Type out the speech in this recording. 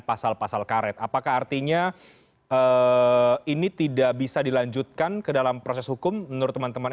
pasal pasal karet apakah artinya ini tidak bisa dilanjutkan ke dalam proses hukum menurut teman teman